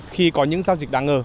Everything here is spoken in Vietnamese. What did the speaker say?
khi có những giao dịch đáng ngờ